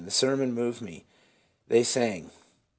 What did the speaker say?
The sermon moved me; they sang.